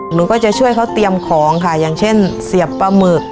หนูก็จะช่วยเขาเตรียมของค่ะอย่างเช่นเสียบปลาหมึก